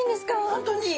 本当に。